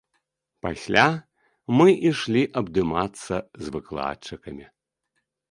Пасля мы ішлі абдымацца з выкладчыкамі.